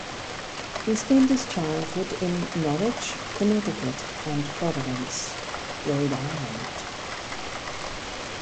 He spent his childhood in Norwich, Connecticut and Providence, Rhode Island.